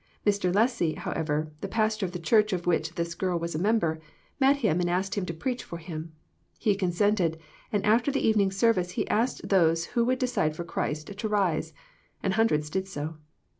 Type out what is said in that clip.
Mr. Lessey, how ever, the pastor of the church of which this girl was a member, met him and asked him to preach for him. He consented, and after the evening service he asked those who would decide for Christ to rise, and hundreds did so.